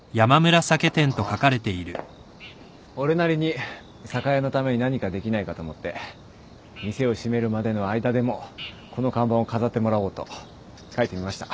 俺なりに酒屋のために何かできないかと思って店を閉めるまでの間でもこの看板を飾ってもらおうと書いてみました。